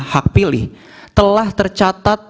hak pilih telah tercatat